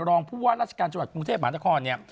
รองผู้ว่าราชการจังหวัดกรุงเทพมหานครเนี่ย